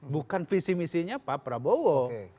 bukan visi misinya pak prabowo